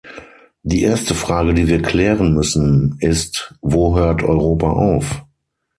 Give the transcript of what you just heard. Die erste Frage, die wir klären müssen, ist, wo hört Europa auf?